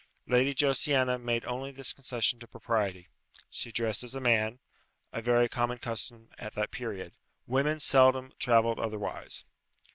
Lady Josiana made only this concession to propriety she dressed as a man, a very common custom at that period. Women seldom travelled otherwise.